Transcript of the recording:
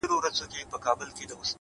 اخلاق د شخصیت هنداره ده؛